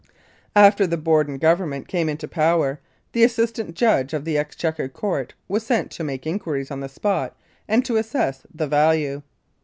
After the Borden Government came into power, the Assistant Judge of the Exchequer Court was sent to make inquiries on the spot and to assess the value.